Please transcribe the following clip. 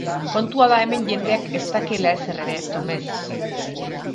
Kontua da hemen jendeak ez dakiela ezer ere Tomez.